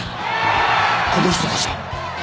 この人たちは？